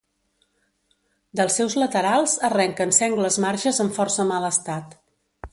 Dels seus laterals arrenquen sengles marges en força mal estat.